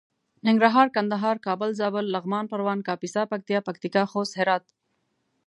ننګرهار کندهار کابل زابل لغمان پروان کاپيسا پکتيا پکتيکا خوست هرات